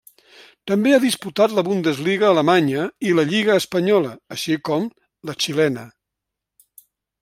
També ha disputat la Bundesliga alemanya i la lliga espanyola, així com la xilena.